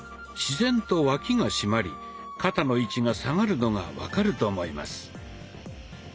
自然と脇が締まり肩の位置が下がるのが分かると思います。